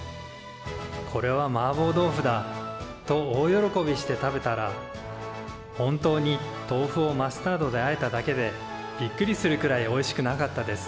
「これはマーボーどうふだ！」と大喜びして食べたら本当にとうふをマスタードであえただけでびっくりするくらいおいしくなかったです。